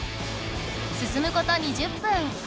すすむこと２０分。